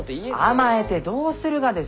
甘えてどうするがですか？